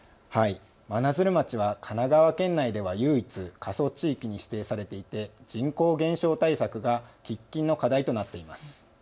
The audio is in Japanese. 真鶴町は神奈川県内では唯一過疎地域に指定されていて人口減少対策が喫緊の課題となっています。